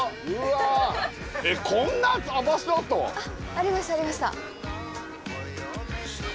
ありましたありました。